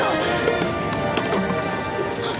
あっ！